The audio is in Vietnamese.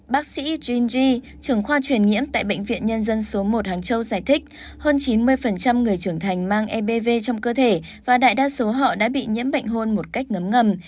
bác sĩ jeanji trưởng khoa truyền nhiễm tại bệnh viện nhân dân số một hàng châu giải thích hơn chín mươi người trưởng thành mang ebv trong cơ thể và đại đa số họ đã bị nhiễm bệnh hôn một cách ngấm ngầm